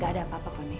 gak ada apa apa nene